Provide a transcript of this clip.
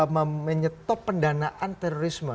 menyetop pendanaan terorisme